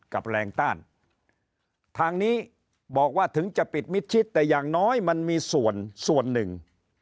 กับแรงต้านทางนี้บอกว่าถึงจะปิดมิดชิดแต่อย่างน้อยมันมีส่วนส่วนหนึ่ง